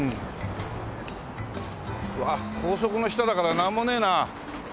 わあ高速の下だからなんもねえな。